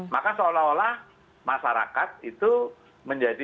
maka seolah olah masyarakat itu menjadi